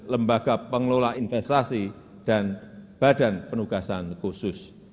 lembaga pengelola investasi dan badan penugasan khusus